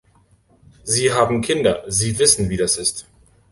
Sie haben Kinder, Sie wissen, wie das ist.